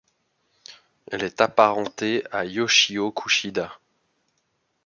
Elle est apparentée à Yoshio Kushida.